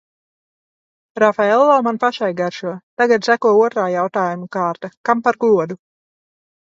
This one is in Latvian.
Rafaello man pašai garšo. Tagad seko otrā jautājumu kārta – kam par godu?